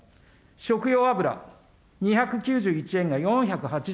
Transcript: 食用油、２９１円が４８５円、１．７倍。